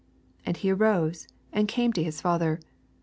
20 And he arose, and came to his father.